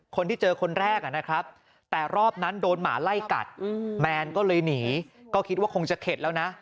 คนที่เจอคนแรกนะครับแต่รอบนั้นโดนหมาไล่กัดแมนก็เลยหนีก็คิดว่าคงจะเข็ดแล้วนะ